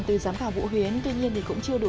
từ giám khảo vũ huyến tuy nhiên thì cũng chưa đủ